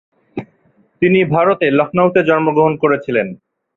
তিনি ভারতের লখনউতে জন্মগ্রহণ করেছিলেন।